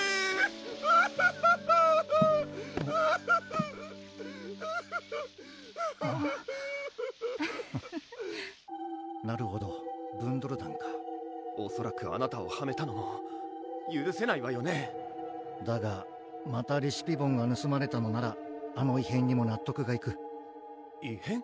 うぅうぅうぅうぅなるほどブンドル団かおそらくあなたをはめたのもゆるせないわよねだがまたレシピボンがぬすまれたのならあの異変にも納得がいく異変？